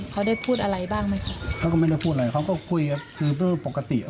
เขาได้พูดอะไรบ้างไหมคะเขาก็ไม่ได้พูดอะไรเขาก็คุยครับคือด้วยปกติ